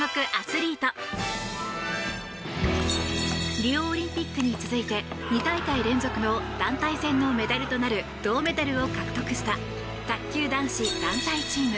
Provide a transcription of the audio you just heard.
リオオリンピックに続いて２大会連続の団体戦のメダルとなる銅メダルを獲得した卓球男子団体チーム。